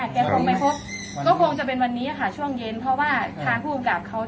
ถ้าไม่ต้องดูชมทั้งหมดแล้วนะครับครับครับครับ